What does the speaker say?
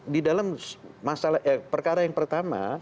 di dalam masalah perkara yang pertama